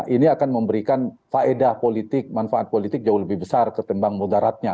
ini akan memberikan faedah politik manfaat politik jauh lebih besar ketimbang mudaratnya